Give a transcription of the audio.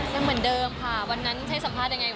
ยังเหมือนเดิมค่ะวันนั้นให้สัมภาษณ์ยังไง